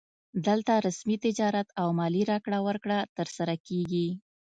دلته رسمي تجارت او مالي راکړه ورکړه ترسره کیږي